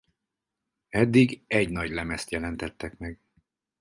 Eddig egy nagylemezt jelentettek meg.